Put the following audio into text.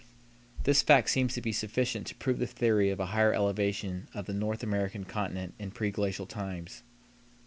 This fact seems to be sufficient to prove the theory of a higher elevation of the North American continent in preglacial times.